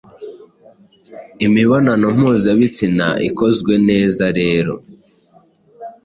Imibonano mpuzabitsina ikozwe neza rero,